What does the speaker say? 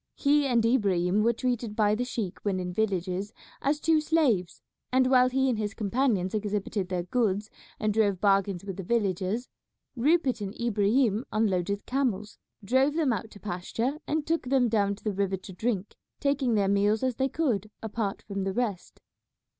He and Ibrahim were treated by the sheik when in the villages as two slaves, and while he and his companions exhibited their goods and drove bargains with the villagers, Rupert and Ibrahim unloaded the camels, drove them out to pasture, and took them down to the river to drink, taking their meals as they could apart from the rest.